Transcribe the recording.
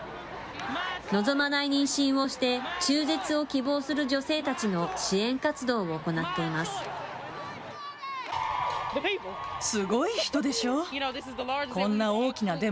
望まない妊娠をして、中絶を希望する女性たちの支援活動を行っています。